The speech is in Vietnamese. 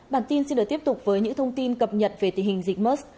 bản tin xin được tiếp tục với những thông tin cập nhật về tình hình dịch mus